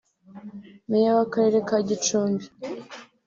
Meya w'akarere ka Gicumbi